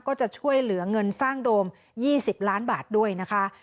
ก็จะช่วยเหลือเงินสร้างโดม๒๐ล้านบาทด้วยนะคะ